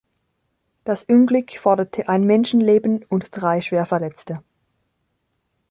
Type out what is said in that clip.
Das Unglück forderte ein Menschenleben und drei Schwerverletzte.